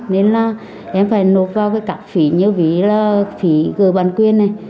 nên là em phải nộp vào cái cặp phí như phí gợi bản quyền này